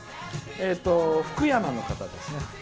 福山の方ですね。